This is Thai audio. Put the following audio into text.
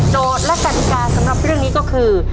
และกติกาสำหรับเรื่องนี้ก็คือ